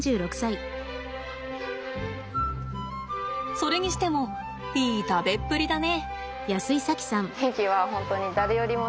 それにしてもいい食べっぷりだね。